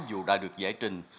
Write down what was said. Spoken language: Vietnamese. dù đã được giải trình